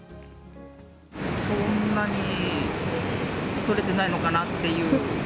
そんなにとれてないのかなっていう。